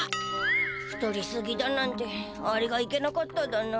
太りすぎだなんてあれがいけなかっただな。